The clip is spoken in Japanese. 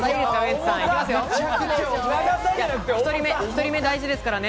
１人目、大事ですからね。